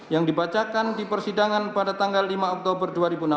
yang dibacakan di persidangan pada tanggal lima oktober dua ribu enam belas